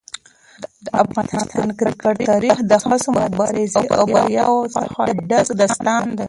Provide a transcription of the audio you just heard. د افغانستان کرکټ تاریخ د هڅو، مبارزې او بریاوو څخه ډک داستان دی.